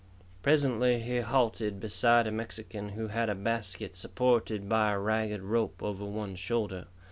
Presently he halted beside a Mexican who had a basket supported by a ragged rope over one shoulder.